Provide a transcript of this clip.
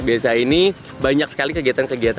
tadi itu tuh tadi ya